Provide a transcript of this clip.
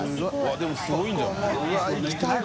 でもすごいんじゃない？